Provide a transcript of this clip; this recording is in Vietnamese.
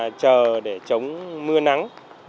và các nhà chờ để chống mưa nắng